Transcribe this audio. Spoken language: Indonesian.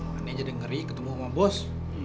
makannya aja dengeri ketemu sama bos